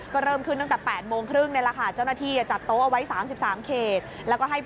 ก็เริ่มขึ้นตั้งแต่๘โมงครึ่งนี่แหละค่ะ